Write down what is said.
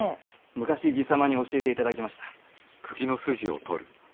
昔爺様に教えていただきました。